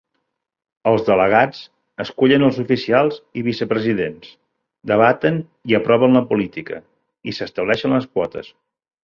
Els delegats escullen els oficials i vicepresidents, debaten i aproven la política, i s'estableixen les quotes.